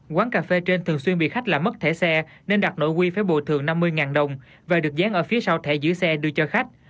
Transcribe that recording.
quán cà phê trên thường xuyên bị khách làm mất thẻ xe nên đặt nội quy phải bồi thường năm mươi đồng và được dán ở phía sau thẻ giữ xe đưa cho khách